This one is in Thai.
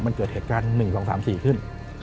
มันเกิดเหตุการณ์๑๒๓๔ขึ้น